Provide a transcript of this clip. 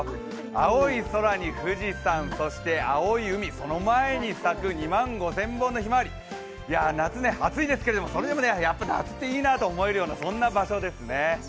青い空に富士山、そして青い海その前に咲く２万５０００本のひまわり夏、暑いですけども、それでもやっぱり夏っていいなと思えるような、そんな場所ですよね。